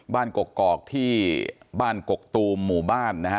กกอกที่บ้านกกตูมหมู่บ้านนะฮะ